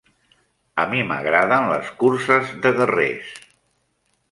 A mi m'agraden les curses de guerrers.